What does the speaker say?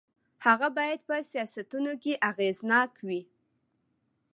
هغه باید په سیاستونو کې اغېزناک وي.